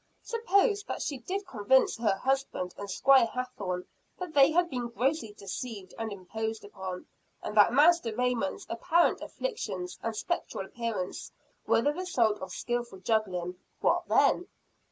Suppose that she did convince her husband and Squire Hathorne that they had been grossly deceived and imposed upon and that Master Raymond's apparent afflictions and spectral appearance were the result of skilful juggling, what then?